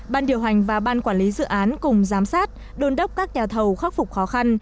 ban điều hành và ban quản lý dự án cùng giám sát đôn đốc các nhà thầu khắc phục khó khăn